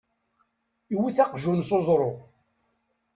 Iwet aqjun s uẓru.